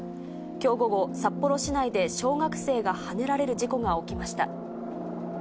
きょう午後、札幌市内で小学生がはねられる事故が起きました。